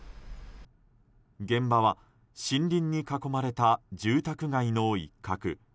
現場は森林に囲まれた住宅街の一角。